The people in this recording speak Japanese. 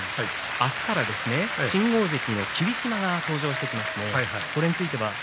明日から新大関の霧島が登場してきますね。